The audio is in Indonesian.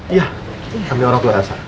iya kami orang tua elsa